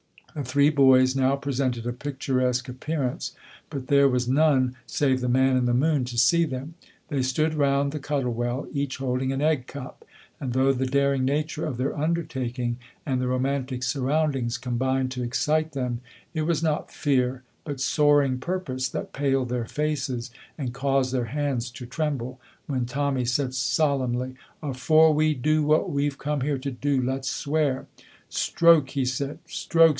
The three boys now presented a picturesque appearance, but there was none save the man in the moon to see them. They stood round the Cuttle Well, each holding an egg cup, and though the daring nature of their undertaking and the romantic surroundings combined to excite them, it was not fear but soaring purpose that paled their faces and caused their hands to tremble, when Tommy said solemnly, "Afore we do what we've come here to do, let's swear." "Stroke!" he said. "Stroke!"